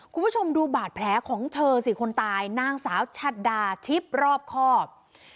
คุณผู้ชมดูบาดแผลของเธอสิคนตายนางสาวชัดดาทิพย์รอบครอบ